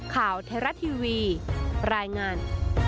ข่าวเทราะทีวีรายงาน